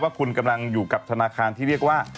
ว่าคุณกำลังอยู่กับธนาคารที่เรียกว่า